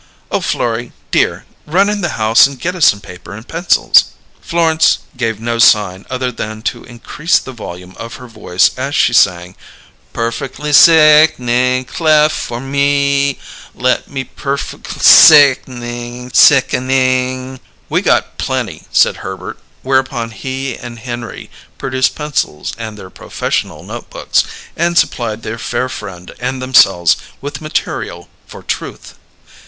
"Oh, Florrie, dear! Run in the house and get us some paper and pencils." Florence gave no sign other than to increase the volume of her voice as she sang: "Perf'ly sick'ning, clef' for me, let me _perf'_ly sick kin ning!" "We got plenty," said Herbert; whereupon he and Henry produced pencils and their professional note books, and supplied their fair friend and themselves with material for "Truth."